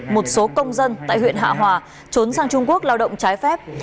một số công dân tại huyện hạ hòa trốn sang trung quốc lao động trái phép